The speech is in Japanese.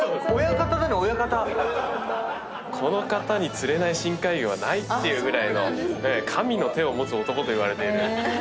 この方に釣れない深海魚はないっていうぐらいの神の手を持つ男といわれている深海漁師さん。